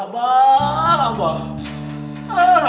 abah abah abah